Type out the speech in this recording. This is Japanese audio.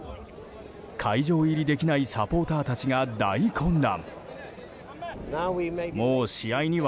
会場入りできないサポーターたちが大混乱。